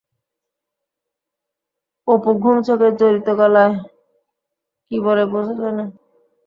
অপু ঘুমচোখে জড়িত গলায় কি বলে বোঝা যায় না।